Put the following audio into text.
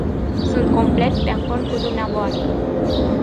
Sunt complet de acord cu dvs.